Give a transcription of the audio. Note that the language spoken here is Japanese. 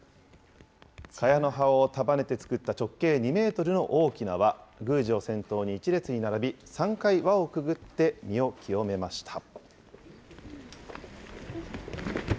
かやの葉を束ねて作った直径２メートルの大きな輪、宮司を先頭に１列に並び、３回輪をくぐって身を清めました。